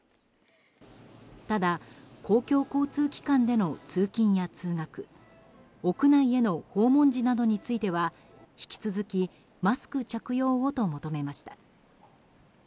ただ、公共交通機関での通勤や通学屋内への訪問時などについては引き続きマスク着用をと求めました。